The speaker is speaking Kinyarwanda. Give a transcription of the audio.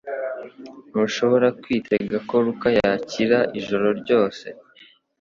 Ntushobora kwitega ko Luka yakira ijoro ryose